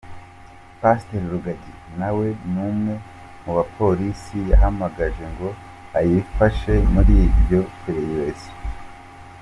Pasiteri Rugagi nawe ni umwe mu bo Polisi yahamagaje ngo ayifashe muri iryo perereza.